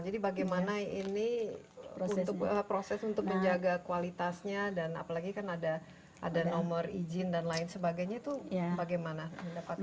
jadi bagaimana ini proses untuk menjaga kualitasnya dan apalagi kan ada nomor izin dan lain sebagainya itu bagaimana mendapatkan